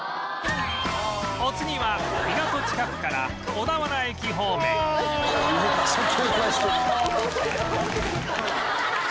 お次は港近くから小田原駅方面アア！